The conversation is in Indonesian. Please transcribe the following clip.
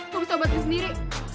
gue bisa bantu sendiri